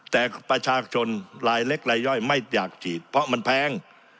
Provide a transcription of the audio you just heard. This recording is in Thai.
แต่ประชาชนรายเล็กรายย่อยไม่อยากฉีดเพราะมันแพง